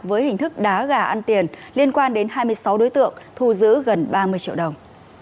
với hình thức đá gà ăn tiền liên quan đến hai mươi sáu đối tượng thu giữ gần ba mươi triệu đồng